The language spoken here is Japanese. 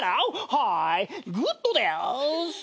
はーいグッドです。